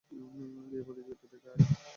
গিয়ে প্রতিযোগিতা দেখে আয়।